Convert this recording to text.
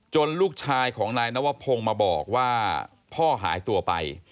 ลูกชายของนายนวพงศ์มาบอกว่าพ่อหายตัวไป